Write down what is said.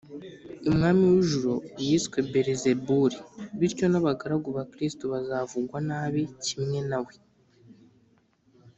umwami w’ijuru yiswe belizebuli, bityo n’abagaragu ba kristo bazavugwa nabi kimwe na we